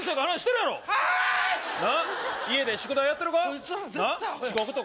なっ家で宿題やってるか？